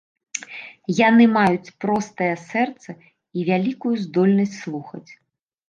Яны маюць простае сэрца і вялікую здольнасць слухаць.